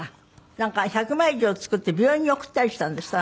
なんか１００枚以上作って病院に送ったりしたんですって？